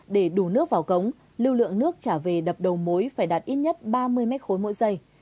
để đủ nước vào cống lưu lượng nước trả về đập đầu mối phải đạt ít nhất ba mươi mét khối mỗi giây